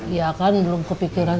iya kan belum kepikiran